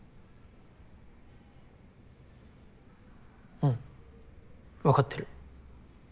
うんわかってる。